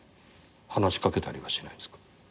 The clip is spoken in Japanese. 話し掛けたりはしないんですか？